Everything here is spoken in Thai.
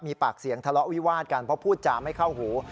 มีปากเสียงทะเลาะวิวาดกันเพราะพูดจาไม่เข้าหู